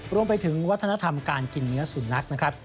รวมไปถึงวัฒนธรรมการกินเนื้อสุนัขนะครับ